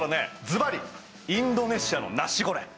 ずばりインドネシアのナシゴレン！